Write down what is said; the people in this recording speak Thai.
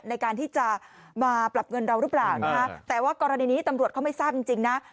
ในการที่จะมาปรับเงินเราหรือเปล่านะคะแต่ว่ากรณีนี้ตำรวจเขาไม่ทราบจริงจริงนะ